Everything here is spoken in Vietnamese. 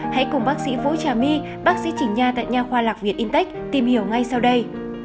hãy cùng bác sĩ vũ trà my bác sĩ chỉnh nha tại nhà khoa học việt intech tìm hiểu ngay sau đây